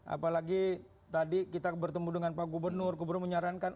apalagi tadi kita bertemu dengan pak gubernur gubernur menyarankan